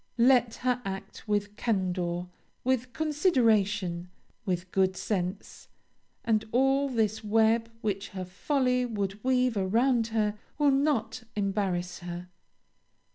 Let her act with candor, with consideration, with good sense, and all this web which her folly would weave around her will not embarrass her.